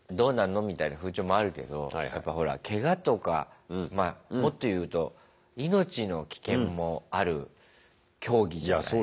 みたいな風潮もあるけどやっぱほらけがとかもっと言うと命の危険もある競技じゃない？